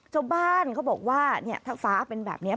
ชาวบ้านเขาบอกว่าถ้าฟ้าเป็นแบบนี้